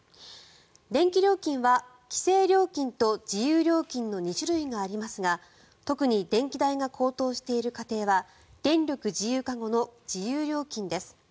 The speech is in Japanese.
電気料金は規制料金と自由料金の２種類がありますが特に電気代が高騰している家庭は電力自由化後の自由料金です。